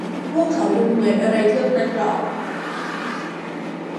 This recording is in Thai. พวกเขาดูเหมือนอะไรเทือกนั้นหรอ ?